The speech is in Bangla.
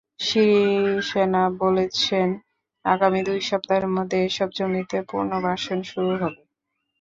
সিরিসেনা বলেছেন, আগামী দুই সপ্তাহের মধ্যে এসব জমিতে পুনর্বাসন শুরু হবে।